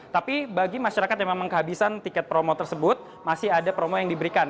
tapi bagi masyarakat yang memang kehabisan tiket promo tersebut masih ada promo yang diberikan